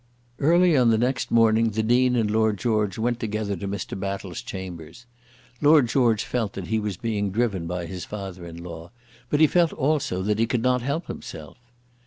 Early on the next morning the Dean and Lord George went together to Mr. Battle's chambers. Lord George felt that he was being driven by his father in law; but he felt also that he could not help himself.